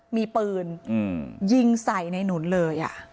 มีปืนยิงใส่ในหนุนเลย